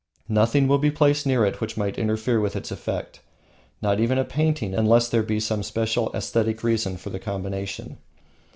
Nothing else will be placed near it which might interfere with its effect, not even a painting, unless there be some special aesthetic reason for the combination.